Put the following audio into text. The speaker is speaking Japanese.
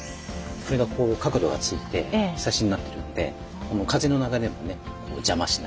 これが角度がついてひさしになってるんで風の流れも邪魔しない。